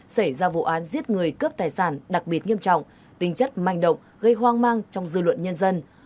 xảy ra vụ án giết người cướp tài sản đặc biệt nghiêm trọng tinh chất manh động gây hoang mang trong dư luận nhân dân